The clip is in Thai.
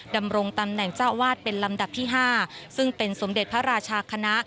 ดำรงตำแหน่งเจ้าอาวาสเป็นลำดับที่๕ซึ่งเป็นสมเด็จพระราชาคณะ